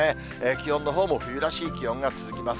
気温のほうも冬らしい気温が続きます。